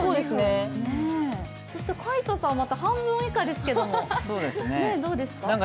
そして海音さんはまた半分以下ですけれども、どうですか？